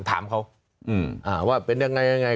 ถามเขาว่าเป็นยังไง